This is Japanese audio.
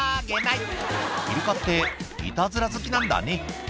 イルカっていたずら好きなんだね